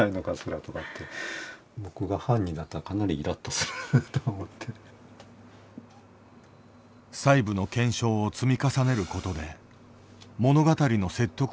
細部の検証を積み重ねることで物語の説得力を高めていく。